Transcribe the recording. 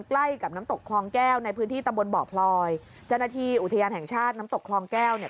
ใกล้กับน้ำตกคลองแก้วในพื้นที่ตำบลบ่อพลอยเจ้าหน้าที่อุทยานแห่งชาติน้ำตกคลองแก้วเนี่ย